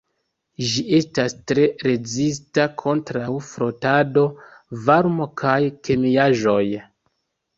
Ĝi estas tre rezista kontraŭ frotado, varmo kaj kemiaĵoj.